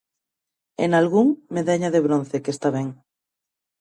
E nalgún, medalla de bronce, que está ben.